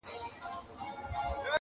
انسان انسان دی انسان څۀ ته وایي ,